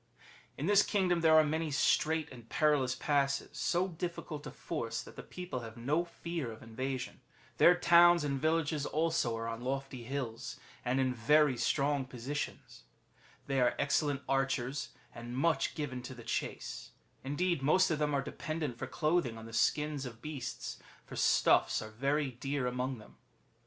^] In this kingdom there are many strait and perilous passes, so difficult to force that the people have no fear of invasion. Their towns and villages also are on lofty hills, l6o MARCO POLO Book I. and in very strong positions.^ They are excellent archers, and much given to the chase ; indeed, most of them are dependent for clothing on the skins of beasts, for stuffs are very dear among them.